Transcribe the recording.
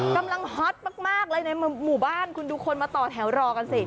ฮอตมากเลยในหมู่บ้านคุณดูคนมาต่อแถวรอกันสิ